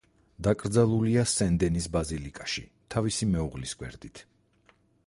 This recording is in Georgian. დაკრძალულია სენ დენის ბაზილიკაში, თავისი მეუღლის გვერდით.